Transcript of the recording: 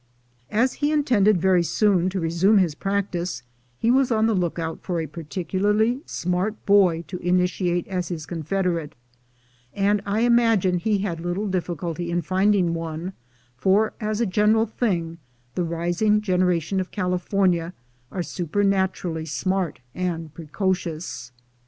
As he intended very soon to resume his practice, he BULL FIGHTING 323 was on the look out for a particularly smart boy to initiate as his confederate; and I imagine he had little difficulty in finding one, for, as a general thing, the rising generation of California are supernaturally smart and precocious.